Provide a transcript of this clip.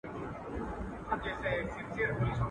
سر مي لوڅ دی پښې مي لوڅي په تن خوار یم.